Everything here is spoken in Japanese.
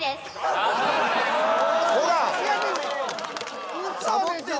・ほら！